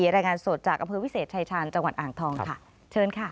รายงานสดจากอำเภอวิเศษชายชาญจังหวัดอ่างทองค่ะเชิญค่ะ